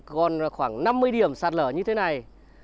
còn khoảng năm mươi điểm sạt lở như thế này